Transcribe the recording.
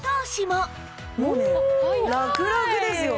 もうね楽々ですよ。